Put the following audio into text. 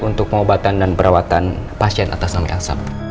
untuk pengobatan dan merawat pasti pengerikan